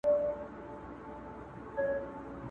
د مطرب به په شهباز کي غزل نور وي٫